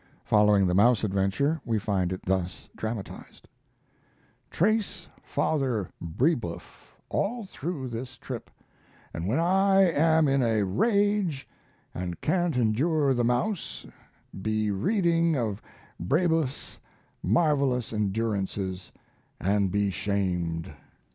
Following the mouse adventure we find it thus dramatized: Trace Father Brebeuf all through this trip, and when I am in a rage and can't endure the mouse be reading of Brebeuf's marvelous endurances and be shamed.